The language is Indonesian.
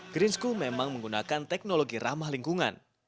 green school memang menggunakan teknologi ramah lingkungan